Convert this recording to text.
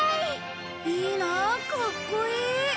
いいなあかっこいい。